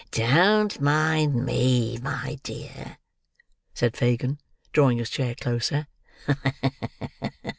"Don't mind me, my dear," said Fagin, drawing his chair closer.